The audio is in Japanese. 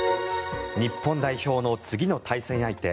日本代表の次の対戦相手